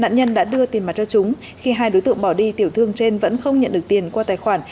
nạn nhân đã đưa tiền mặt cho chúng khi hai đối tượng bỏ đi tiểu thương trên vẫn không nhận được tiền qua tài khoản